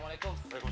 ayo deh sekalian